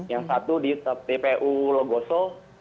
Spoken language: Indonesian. yang satu di tpu logoso